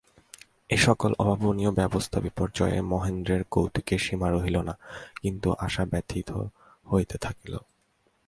এই-সকল অভাবনীয় ব্যবস্থাবিপর্যয়ে মহেন্দ্রের কৌতুকের সীমা রহিল না, কিন্তু আশা ব্যথিত হইতে থাকিল।